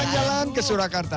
jalan jalan ke surakarta